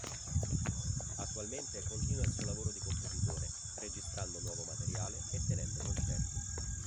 Attualmente continua il suo lavoro di compositore, registrando nuovo materiale e tenendo concerti.